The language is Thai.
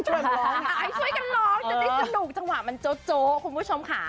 ให้ช่วยกันร้องจะได้สนุกจังหวะมันโจ๊คุณผู้ชมค่ะ